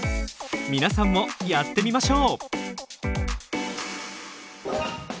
皆さんもやってみましょう！